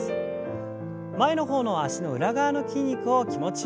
前の方の脚の裏側の筋肉を気持ちよく伸ばしてください。